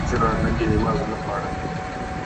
سِرا ننگی نماز نہ پڑھ